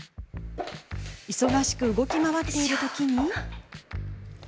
忙しく動き回っているときに。